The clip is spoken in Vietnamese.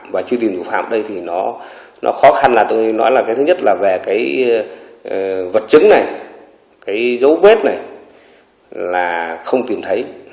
và truy tìm thủ phạm đây thì nó khó khăn là tôi nói là cái thứ nhất là về cái vật chứng này cái dấu vết này là không tìm thấy